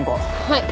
はい。